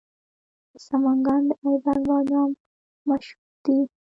د سمنګان د ایبک بادام مشهور دي.